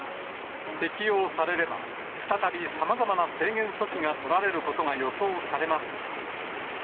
適用されれば、再びさまざまな制限措置が取られることが予想されますが。